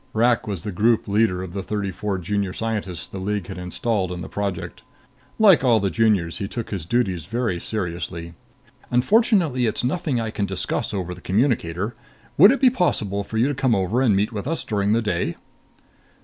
Rak was the group leader of the thirty four Junior Scientists the League had installed in the Project. Like all the Juniors, he took his duties very seriously. "Unfortunately it's nothing I can discuss over a communicator. Would it be possible for you to come over and meet with us during the day?"